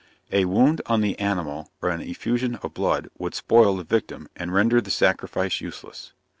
A wound on the animal or an effusion of blood, would spoil the victim, and render the sacrifice useless.